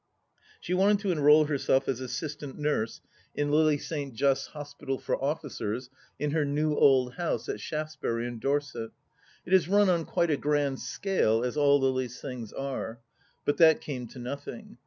She wanted to enrol herself as Assistant Nurse in Lily 198 THE LAST DITCH St. Just's Hospital for Officers in her new old house at Shaftesbury in Dorset. It is run on quite a grand scale, as all Lily's things are. But that came to nothing.